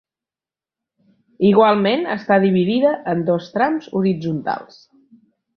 Igualment està dividida en dos trams horitzontals.